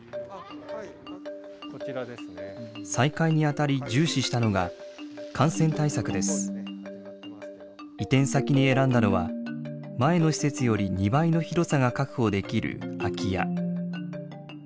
再開にあたり重視したのが移転先に選んだのは前の施設より２倍の広さが確保できる空き家。